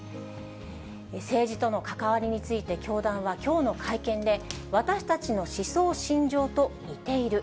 政治との関わりについて、教団はきょうの会見で、私たちの思想信条と似ている。